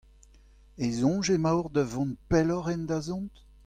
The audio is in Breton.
En soñj emaocʼh da vont pellocʼh en dazont ?